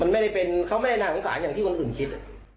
ไม่ได้เป็นเขาไม่ได้น่าสงสารอย่างที่คนอื่นคิด